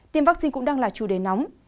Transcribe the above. tiêm vaccine cũng đang là chủ đề nóng